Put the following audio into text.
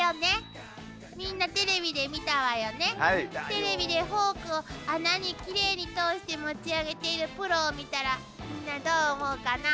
テレビでフォークを穴にきれいに通して持ち上げているプロを見たらみんなどう思うかな。